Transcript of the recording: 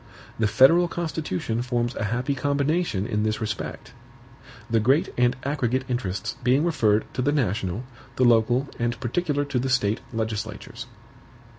The federal Constitution forms a happy combination in this respect; the great and aggregate interests being referred to the national, the local and particular to the State legislatures.